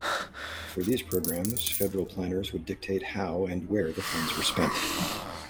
For these programs, federal planners would dictate how and where funds were spent.